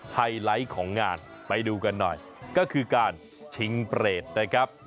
ไฮไลท์ของงานไปดูกันหน่อยก็คือการชิงเปรตนะครับ